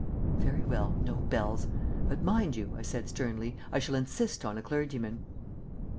"Very well, no bells. But, mind you," I said sternly, "I shall insist on a clergyman."